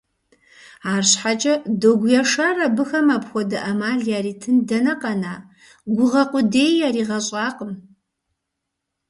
АрщхьэкӀэ Догу Яшар абыхэм апхуэдэ Ӏэмал яритын дэнэ къэна, гугъэ къудеи яригъэщӀакъым.